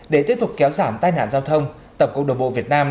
để tiếp tục kéo giảm tai nạn giao thông tổng cục đường bộ việt nam